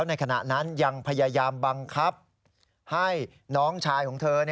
ในขณะนั้นยังพยายามบังคับให้น้องชายของเธอ